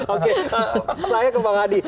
oke saya ke bang hadi